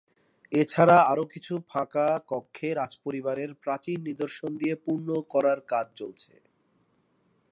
এছাড়া আরো কিছু ফাঁকা কক্ষে রাজপরিবারের প্রাচীন নিদর্শন দিয়ে পূর্ণ করার কাজ চলছে।